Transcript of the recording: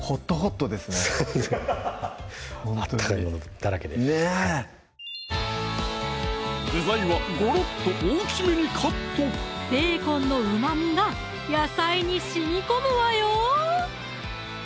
そうです温かいものだらけでねぇ具材はゴロッと大きめにカットベーコンのうまみが野菜にしみこむわよ